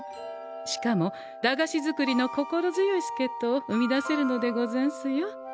しかも駄菓子作りの心強いすけっとを生み出せるのでござんすよ。